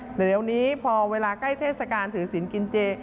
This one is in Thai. เดี๋ยวนี้พอเวลาใกล้เทศกาลถือศิลป์กินเจ